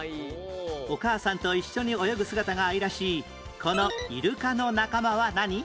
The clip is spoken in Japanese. お母さんと一緒に泳ぐ姿が愛らしいこのイルカの仲間は何？